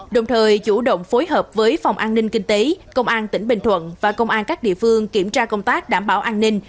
đồng thời chủ động phối hợp với phòng an ninh kinh tế công an tỉnh bình thuận và công an các địa phương kiểm tra công tác đảm bảo an ninh